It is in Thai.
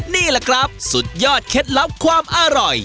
นี่แหละครับสุดยอดเคล็ดลับความอร่อย